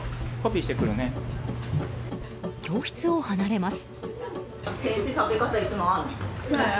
教室を離れます。